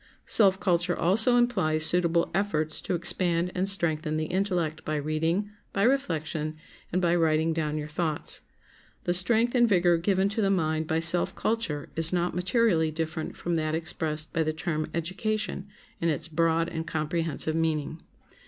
Self culture also implies suitable efforts to expand and strengthen the intellect by reading, by reflection, and by writing down your thoughts. The strength and vigor given to the mind by self culture is not materially different from that expressed by the term education in its broad and comprehensive meaning.